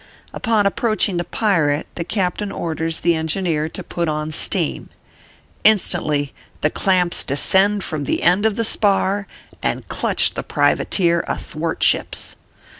Upon approaching the pirate, the captain orders the engineer to put on steam. Instantly the clamps descend from the end of the spar and clutch the privateer athwartships.